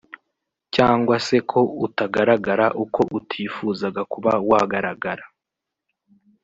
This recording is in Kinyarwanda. cyangwa se ko utagaragara uko utifuzaga kuba wagaragara